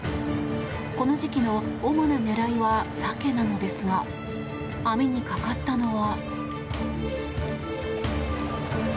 この時期の主な狙いはサケなのですが網にかかったのは。